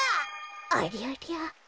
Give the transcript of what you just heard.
ありゃりゃ。